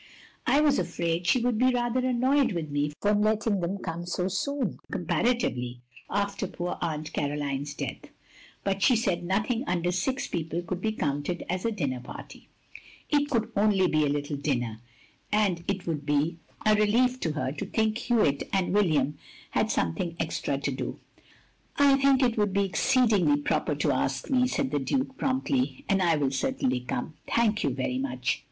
I was afraid she would be rather annoyed with me for letting them come so soon (comparatively) after poor Aunt Caroline's death; but she said nothing under six people could be counted as a dinner party; it could only be a little dinner, and it would be a 2o8 THE LONELY LADY relief to her to think Hewitt and William had something extra to do. " "I think it would be exceedingly proper to ask me,*' said the Duke, promptly, "and I will certainly come. Thank you very much.